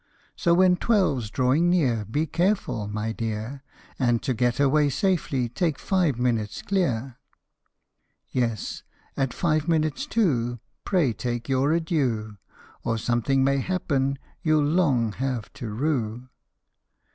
So when twelve 's drawing near be careful, my dear, And to get away safely take five minutes clear. Yes ; at five minutes to, pray take your adieu, Or something may happen you '11 long have to rue